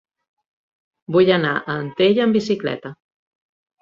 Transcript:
Vull anar a Antella amb bicicleta.